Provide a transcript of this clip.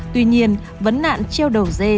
tuy nhiên vấn nạn treo đầu dê